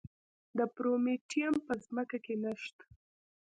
د پرومیټیم په ځمکه کې نه شته.